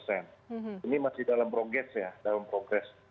ini masih dalam progres ya dalam progres